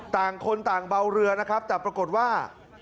ต่างคนต่างเบาเรือนะครับแต่ปรากฏว่า